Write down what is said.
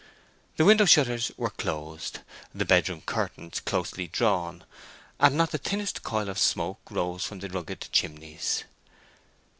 The window shutters were closed, the bedroom curtains closely drawn, and not the thinnest coil of smoke rose from the rugged chimneys.